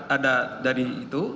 ada dari itu